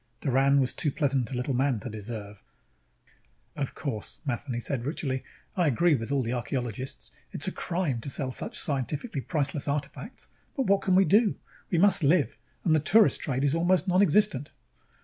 Doran was too pleasant a little man to deserve "Of course," Matheny said ritually, "I agree with all the archeologists it's a crime to sell such scientifically priceless artifacts, but what can we do? We must live, and the tourist trade is almost nonexistent."